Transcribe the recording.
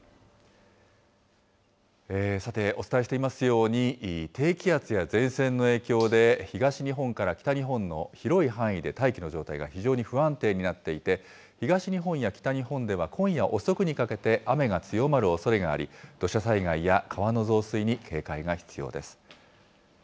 さて、お伝えしていますように、低気圧や前線の影響で、東日本から北日本の広い範囲で大気の状態が非常に不安定になっていて、東日本や北日本では今夜遅くにかけて雨が強まるおそれがあり、土砂災害や川の増水に警戒が必要です。